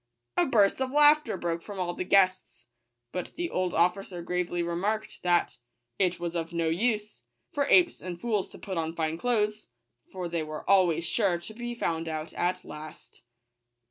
A hurst of laughter broke from all the guests: but the old officer gravely remarked, that " it was of no use for apes and fools to put on fine clothes; for they were always sure to be found out at last."